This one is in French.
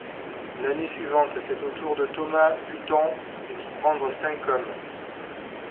L'année suivante, c'est au tour de Thomas Button d'y prendre cinq hommes.